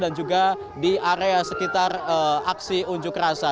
dan juga di area sekitar aksi unjuk rasa